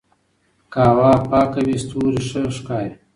که هوا پاکه وي ستوري ښه ښکاري.